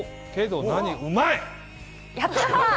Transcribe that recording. うまい！